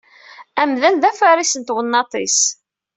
Amdan d afaris n twennaḍt-is.